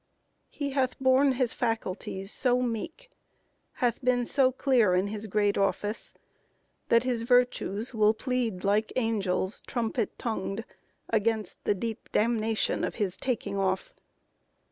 He hath borne his faculties so meek, hath been So clear in his great office, that his virtues Will plead like angels, trumpet tongued, against The deep damnation of his taking off.